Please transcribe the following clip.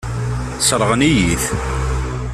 Sseṛɣen-iyi-t.